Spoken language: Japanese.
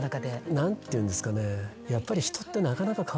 何ていうんですかねやっぱり。